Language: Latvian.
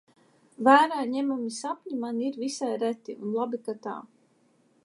Vērā ņemami sapņi man ir visai reti, un labi, ka tā.